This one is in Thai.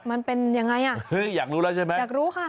มันเป็นยังไงอ่ะเฮ้ยอยากรู้แล้วใช่ไหมอยากรู้ค่ะ